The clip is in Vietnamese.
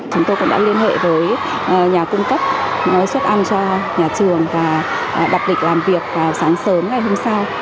chúng tôi cũng đã liên hệ với nhà cung cấp xuất ăn cho nhà trường và đặt định làm việc sáng sớm ngày hôm sau